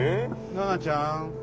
奈々ちゃん。